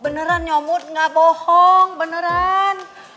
beneran nyomud ga bohong beneran